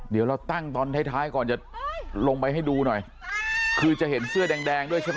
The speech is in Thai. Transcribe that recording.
เดี๋ยวเราตั้งตอนท้ายท้ายก่อนจะลงไปให้ดูหน่อยคือจะเห็นเสื้อแดงแดงด้วยใช่ไหม